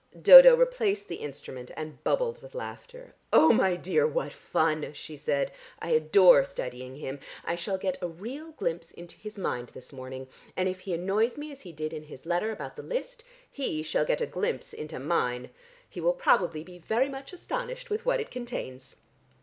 Dodo replaced the instrument, and bubbled with laughter. "Oh, my dear, what fun!" she said. "I adore studying him. I shall get a real glimpse into his mind this morning, and if he annoys me as he did in his letter about the list, he shall get a glimpse into mine. He will probably be very much astonished with what it contains."